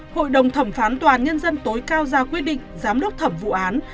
hội đồng thẩm phán tòa án nhân dân tối cao ra quyết định giám đốc thẩm vụ án